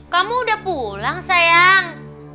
kamu udah pulang sayang